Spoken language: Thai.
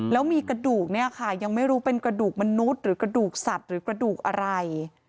แล้วมีกระดูกเนี่ยค่ะยังไม่รู้เป็นกระดูกมนุษย์หรือกระดูกสัตว์หรือกระดูกอะไร